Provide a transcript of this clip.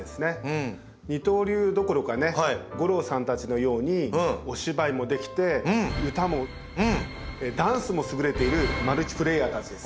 二刀流どころかね吾郎さんたちのようにお芝居もできて歌もダンスも優れているマルチプレーヤーたちです。